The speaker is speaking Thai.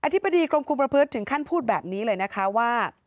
ธิบดีกรมคุมประพฤติถึงขั้นพูดแบบนี้เลยนะคะว่า